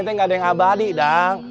kita nggak ada yang abadi dadang